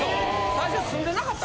最初住んでなかった。